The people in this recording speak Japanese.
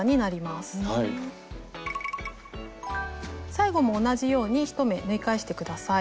最後も同じように１目縫い返して下さい。